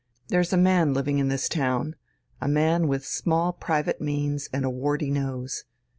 There's a man living in this town, a man with small private means and a warty nose.